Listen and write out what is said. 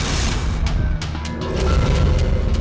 tamu gue sih susah teman